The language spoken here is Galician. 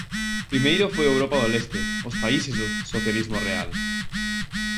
Primeiro foi a Europa do Leste, os países do socialismo real.